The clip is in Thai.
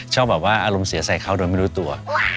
ชอบแบบว่าอารมณ์เสียใส่เขาโดยไม่รู้ตัว